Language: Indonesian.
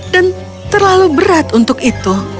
dan terlalu berat untuk itu